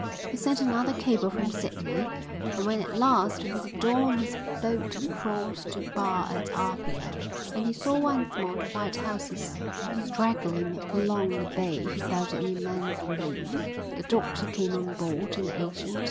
He sent another cable from Sydney, and when at last with the dawn his boat crossed the bar at Apia and he saw once more the white houses straggling along the bay he felt an immense relief. The doctor came on board and the agent.